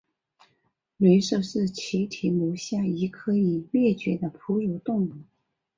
雷兽是奇蹄目下一科已灭绝的哺乳动物。